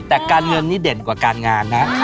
แต่การเงินนี่เด่นกว่าการงานนะ